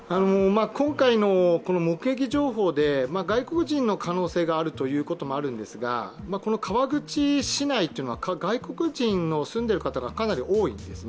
今回の目撃情報で外国人の可能性があるということもあるんですが、この川口市内というのは外国人の住んでいる方がかなり多いんですね。